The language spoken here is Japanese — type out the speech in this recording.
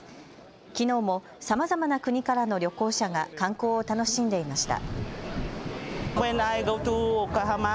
きのうも、さまざまな国からの旅行者が観光を楽しんでいました。